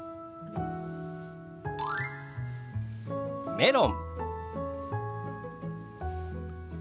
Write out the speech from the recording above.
「メロン」。